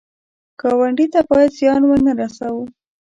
ګاونډي ته باید زیان ونه رسوو